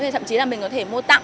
thậm chí là mình có thể mua tặng